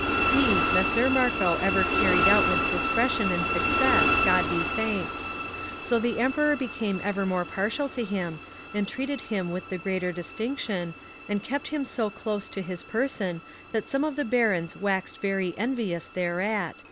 These Messer Marco ever carried out with discretion and success, God be thanked. So the Emperor became ever more partial to him, and treated him with the greater distinction, and kept him so close to his person that some of the Barons waxed very envious thereat.